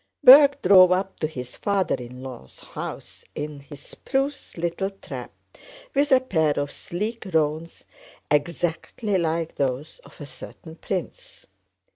Berg drove up to his father in law's house in his spruce little trap with a pair of sleek roans, exactly like those of a certain prince.